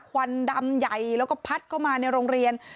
ควันดำใหญ่แล้วก็พัดเข้ามาในโรงเรียน